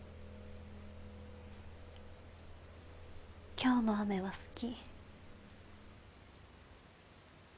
今日の雨は好き。